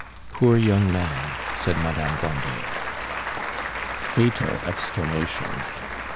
"Poor young man!" said Madame Grandet. Fatal exclamation!